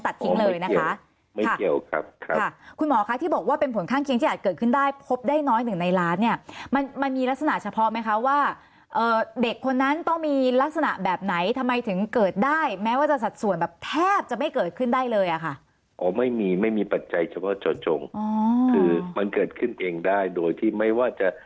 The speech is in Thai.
ทิ้งเลยนะคะไม่เกี่ยวครับครับค่ะคุณหมอคะที่บอกว่าเป็นผลข้างเคียงที่อาจเกิดขึ้นได้พบได้น้อยหนึ่งในล้านเนี่ยมันมันมีลักษณะเฉพาะไหมคะว่าเอ่อเด็กคนนั้นต้องมีลักษณะแบบไหนทำไมถึงเกิดได้แม้ว่าจะสัดส่วนแบบแทบจะไม่เกิดขึ้นได้เลยอ่ะค่ะอ๋อไม่มีไม่มีปัจจัยเฉพาะเจาะจงอ๋อคือมันเกิดขึ้นเองได้โดยที่ไม่ว่าจะ